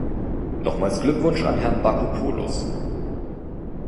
Nochmals Glückwunsch an Herrn Bakopoulos.